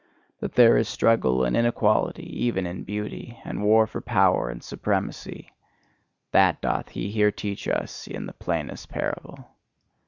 That there is struggle and inequality even in beauty, and war for power and supremacy: that doth he here teach us in the plainest parable.